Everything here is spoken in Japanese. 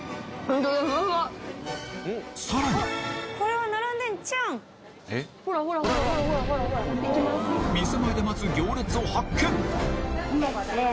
ほらほらほら店前で待つ行列を発見